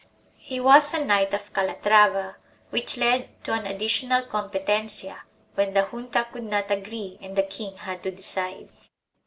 He was a Knight of Calatrava which led to an additional competencia, when the junta could not agree and the king had to decide.